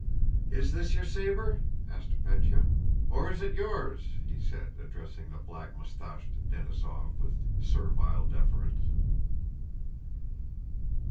"Is this your saber?" asked Pétya. "Or is it yours?" he said, addressing the black mustached Denísov with servile deference.